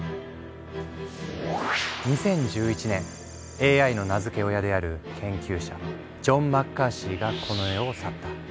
２０１１年ＡＩの名付け親である研究者ジョン・マッカーシーがこの世を去った。